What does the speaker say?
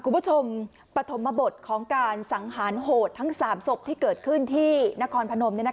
คุณผู้ชมปฐมบทของการสังหารโหดทั้ง๓ศพที่เกิดขึ้นที่นครพนม